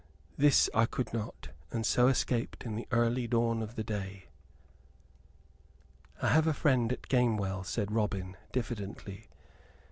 This I would not; and so escaped in the early dawn of the day " "I have a friend at Gamewell," said Robin, diffidently.